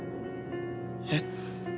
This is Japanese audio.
えっ？